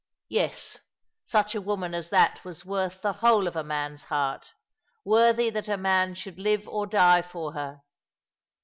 Yes, such a woman as that was worth the whole of a man's heart — worthy that a man should live or die for her.